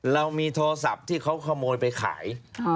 เรามีโทรศัพท์ที่เขาขโมยไปขาย